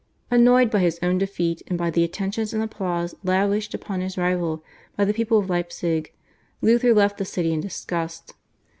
Annoyed by his own defeat and by the attentions and applause lavished upon his rival by the people of Leipzig, Luther left the city in disgust.